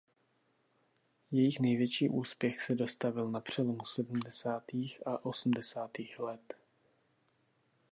Jejich největší úspěch se dostavil na přelomu sedmdesátých a osmdesátých let.